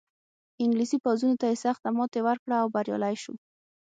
انګلیسي پوځونو ته یې سخته ماتې ورکړه او بریالی شو.